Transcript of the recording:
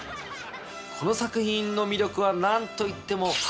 この作品の魅力は何といっても。